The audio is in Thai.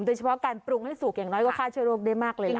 โดยเฉพาะการปรุงให้สุกอย่างน้อยก็ฆ่าเชื้อโรคได้มากเลยนะ